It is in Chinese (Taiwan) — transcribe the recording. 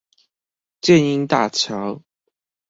箭瑛大橋